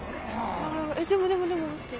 でもでもでも待って。